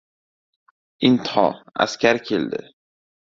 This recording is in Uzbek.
Intiho, askar keldi.